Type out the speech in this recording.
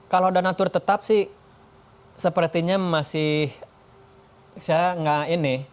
kalau donatur tetap sih sepertinya masih saya nggak ini